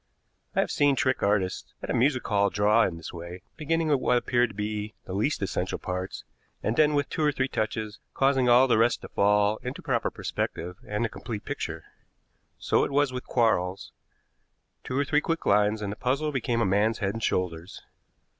I have seen trick artists at a music hall draw in this way, beginning with what appeared to be the least essential parts, and then, with two or three touches, causing all the rest to fall into proper perspective and a complete picture. So it was with Quarles. Two or three quick lines, and the puzzle became a man's head and shoulders.